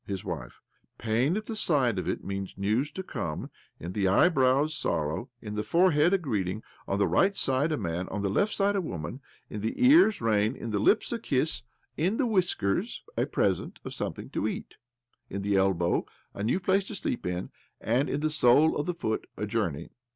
His wife: Pain at the side of it means news to come ; in the eyebrows, sorrow ; in the forehead, a greeting ; on the right side, a man ; on the left side, a woman j in the ears, rain ; in the lips, a kiss ;, in OBLOMOV 137. the whiskers, a present of something to eat \ in the elbow, a new place to sleep in ; and in the sole of the foot, a journey.